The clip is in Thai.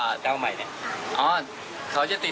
คุณพีชบอกไม่อยากให้เป็นข่าวดังเหมือนหวยโอนละเวง๓๐ล้านบาทที่การจนบรี